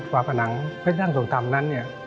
เห็นด้านห้องประสาทของโยนตัวพิษาระเมตร